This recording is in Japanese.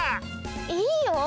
いいよ！